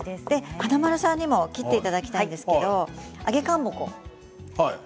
華丸さんにも切っていただきたいんですけれども揚げかんぼこ。